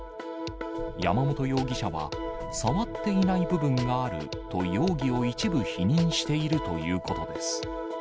山本容疑者は、触っていない部分があると、容疑を一部否認しているということです。